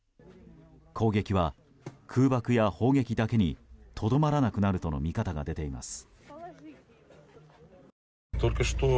攻撃は空爆や砲撃だけにとどまらなくなるとの見方が出ています。